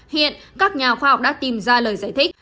hiện các nhà khoa học đã tìm ra lời giải thích